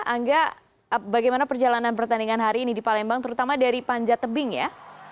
angga bagaimana perjalanan pertandingan hari ini di palembang terutama dari panjat tebing ya